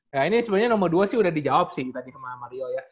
ya ini sebenarnya nomor dua sih udah dijawab sih tadi sama mario ya